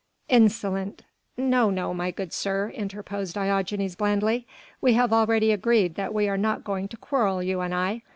"Insolent...." "No, no, my good sir," interposed Diogenes blandly, "we have already agreed that we are not going to quarrel, you and I